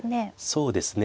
そうですね。